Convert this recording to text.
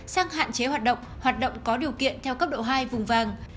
sang hạn chế hoạt động hoạt động có điều kiện theo cấp độ hai vùng vàng